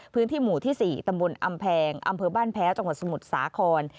พื้นที่หมู่ที่๔ตำบลอำแพงอำเภอบ้านแพ้จังหวัดสมุทรสาคร